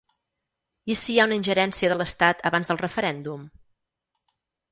I si hi ha una ingerència de l’estat abans del referèndum?